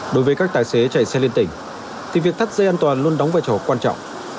đối với các tài xế chạy xe liên tỉnh thì việc thắt dây an toàn luôn đóng vai trò quan trọng